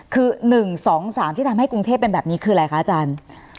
คือ๑๒๓ที่ทำให้กรุงเทพเป็นแบบนี้คืออะไรคะอาจารย์